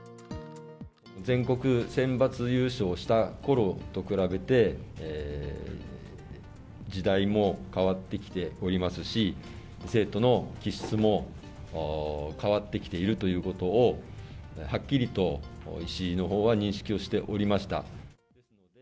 全国・選抜優勝したころと比べて、時代も変わってきておりますし、生徒の気質も変わってきているということをはっきりと石井のほうは認識をしておりました。